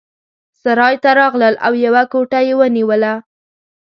سرای ته راغلل او یوه کوټه یې ونیوله.